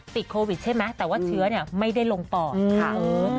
ติดโควิดใช่ไหมแต่ว่าเชื้อไม่ได้ลงปอดค่ะ